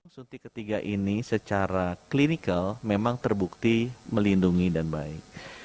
suntik ketiga ini secara klinikal memang terbukti melindungi dan baik